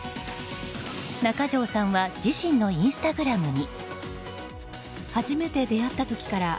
中条さんは自身のインスタグラムに。